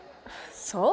そう？